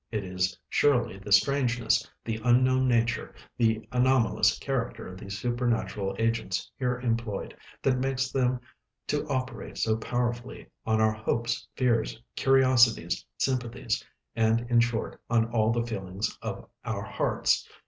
It is surely the strangeness, the unknown nature, the anomalous character of the supernatural agents here employed, that makes them to operate so powerfully on our hopes, fears, curiosities, sympathies, and in short, on all the feelings of our hearts.